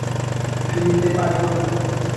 ফিরিতে পারিব না।